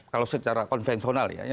kalau secara konvensional ya